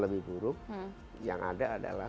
lebih buruk yang ada adalah